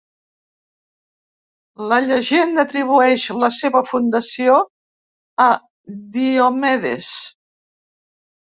La llegenda atribueix la seva fundació a Diomedes.